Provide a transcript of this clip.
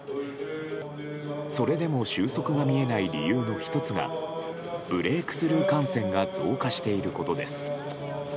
それでも収束が見えない理由の１つがブレークスルー感染が増加していることです。